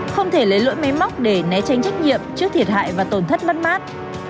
không thể lấy lỗi máy móc để né tránh trách nhiệm trước thiệt hại và tồn thất mất mát